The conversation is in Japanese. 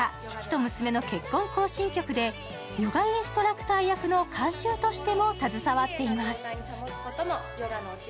父と娘の結婚行進曲」でヨガインストラクター役の監修としても携わっています。